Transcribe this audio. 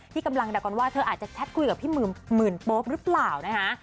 ที่กำลังเดากันว่าเธออาจจะแชทคุยกับพี่หมื่นโป๊ปหรือเปล่านะคะ